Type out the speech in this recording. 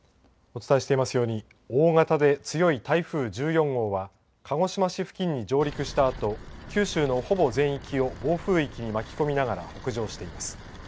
お伝えしていますように、大型で強い台風１４号は鹿児島市付近に上陸したあと、九州のほぼ全域を暴風域に巻き込みながら北上しています。